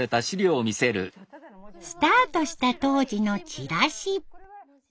スタートした当時のチラシ。